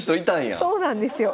そうなんですよ。